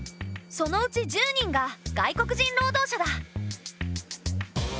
そのうち１０人が外国人労働者だ。